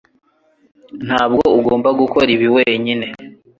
Ntabwo ugomba gukora ibi wenyine